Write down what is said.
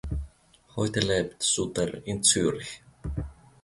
Heute lebt Suter in Zürich.